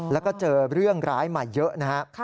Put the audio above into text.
แล้วก็เจอเรื่องร้ายมาเยอะนะครับ